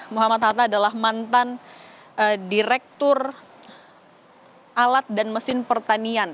muhammad hatta adalah mantan direktur alat dan mesin pertanian